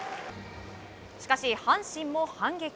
しかし阪神も反撃。